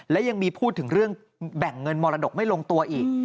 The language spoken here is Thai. และยังมีพูดถึงเรื่องแบ่งเงินมรดกไม่ลงตัวอีก